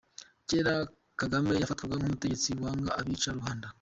Cyera Kagame yafatwaga nk’umutegetsi wanga abica rubanda.